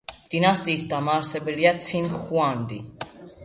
დინასტიის დამაარსებელია ცინ შიხუანდი.